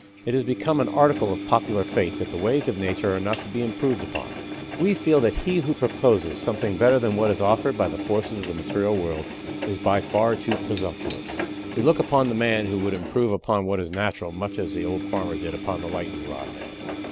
It has become an article of popular faith that the ways of Nature are not to be improved upon. We feel that he who proposes something better than what is offered by the forces of the material world is by far too presumptious. We look upon the man who would improve upon what is natural much as the old farmer did upon the lightning rod man.